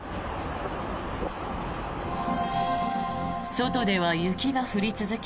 外では雪が降り続き